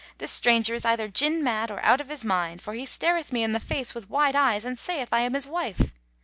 This stranger is either Jinn mad or out of his mind, for he stareth me in the face with wide eyes and saith I am his wife."